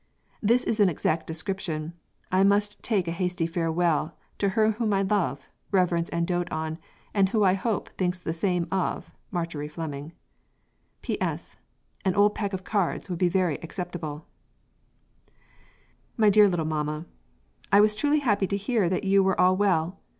This is an exact description. I must take a hasty farewell to her whom I love, reverence and doat on and who I hope thinks the same of MARJORY FLEMING. P.S. An old pack of cards (!) would be very exceptible. This other is a month earlier: "MY DEAR LITTLE MAMA I was truly happy to hear that you were all well.